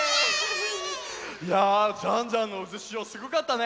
いやジャンジャンのうずしおすごかったね！